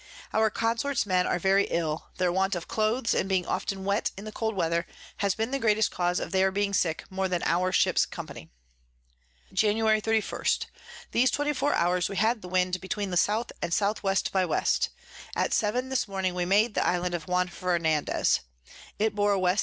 Our Consort's Men are very ill; their want of Clothes, and being often wet in the cold Weather, has been the greatest cause of their being more sick than our Ships Company. Jan. 31. These 24 hours we had the Wind between the S. and S W by W. At seven this morning we made the Island of Juan Fernandez; it bore W S W.